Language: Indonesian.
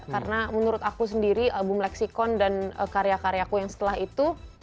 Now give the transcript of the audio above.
karena menurut aku sendiri album lexicon dan karya karyaku yang setelah itu